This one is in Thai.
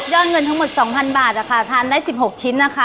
เงินทั้งหมด๒๐๐บาททานได้๑๖ชิ้นนะคะ